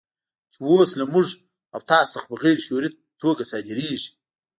چې اوس له موږ او تاسو څخه په غیر شعوري توګه صادرېږي.